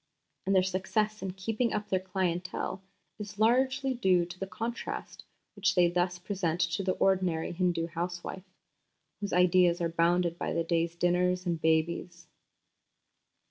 . and their success in keeping up their clientele is largely due to the contrast which they thus present to the ordinary Hindu housewife, whose ideas are bounded by the day's dinners and babies."